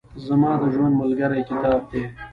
زما د ژوند ملګری کتاب دئ.